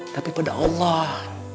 tapi pada allah